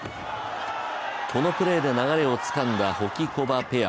このプレーで流れをつかんだホキコバペア。